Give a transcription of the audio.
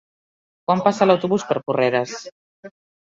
Quan passa l'autobús per Porreres?